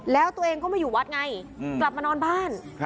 แล้วตัวเองก็ไม่อยู่วัดไงกลับมานอนบ้าน